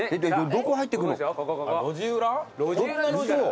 どこ入ってくの？